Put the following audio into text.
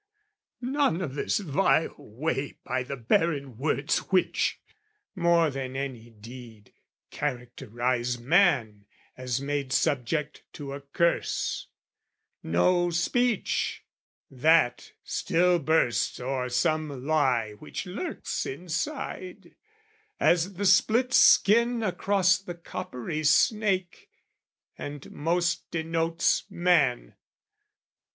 None of this vile way by the barren words Which, more than any deed, characterise Man as made subject to a curse: no speech That still bursts o'er some lie which lurks inside, As the split skin across the coppery snake, And most denotes man!